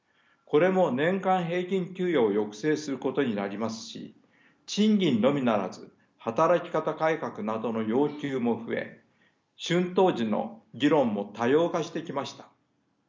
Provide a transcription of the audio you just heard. これも年間平均給与を抑制することになりますし賃金のみならず働き方改革などの要求も増え春闘時の議論も多様化してきました。